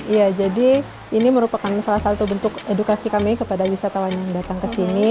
iya jadi ini merupakan salah satu bentuk edukasi kami kepada wisatawan yang datang ke sini